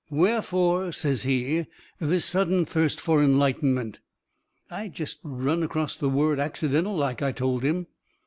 "Wherefore," says he, "this sudden thirst for enlightenment?" "I jest run acrost the word accidental like," I told him.